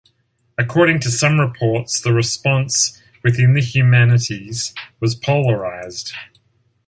According to some reports, the response within the humanities was polarized.